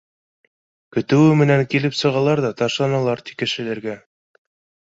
Көтөүе менән килеп сығалар ҙа ташланалар, ти, кешеләргә.